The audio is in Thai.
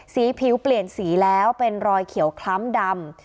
สีผิวเปลี่ยนสีแล้วเป็นรอยเขียวคล้ำดำ